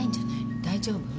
大丈夫？